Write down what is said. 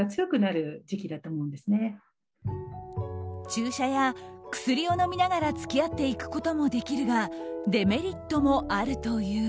注射や薬を飲みながら付き合っていくこともできるがデメリットもあるという。